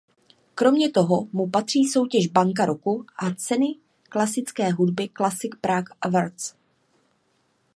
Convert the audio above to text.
Kromě toho mu patří soutěž Banka roku a ceny klasické hudby Classic Prague Awards.